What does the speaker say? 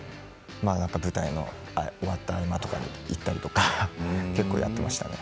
舞台が終わった合間に行ったりとか結構やっていました。